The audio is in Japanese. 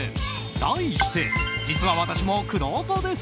題して、実は私もくろうとです